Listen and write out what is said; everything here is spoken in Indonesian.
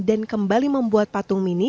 dan kembali membuat patung mini